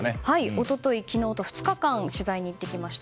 一昨日、昨日と２日間取材に行ってきました。